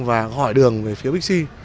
và hỏi đường về phía pc